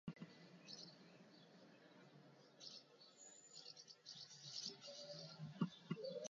Entre ellas destaca la Escuela de Edimburgo con David Bloor a la cabeza.